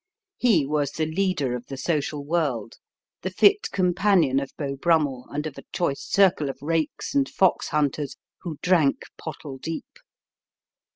He was the leader of the social world, the fit companion of Beau Brummel and of a choice circle of rakes and fox hunters who drank pottle deep.